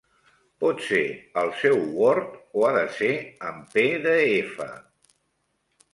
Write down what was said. Pot ser el seu word o ha de ser en pe de efa?